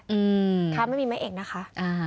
อืมนะคะไม่มีไม้เอกนะคะนะคะ